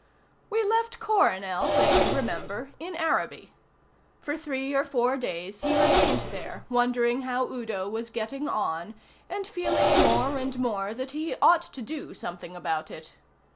We left Coronel, if you remember, in Araby. For three or four days he remained there, wondering how Udo was getting on, and feeling more and more that he ought to do something about it.